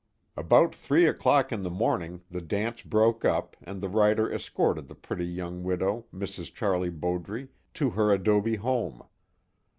About three o'clock in the morning the dance broke up and the writer escorted the pretty young widow, Mrs. Charlie Bowdre, to her adobe home.